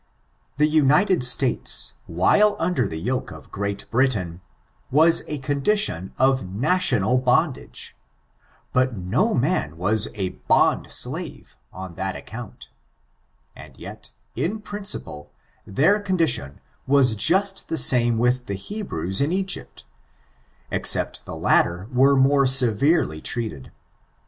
The Upited States, while under the yoke of Great Britain, was a condition of national bondage^ but no man was a bond slave on that account, and yet, in PRINCIPLE, their condition was just the same with the Hebrews in Egypt, except the latter were more severely treated.